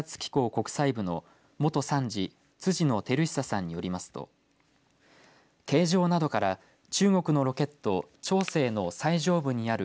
国際部の元参事、辻野照久さんによりますと形状などから、中国のロケット長征の最上部にある。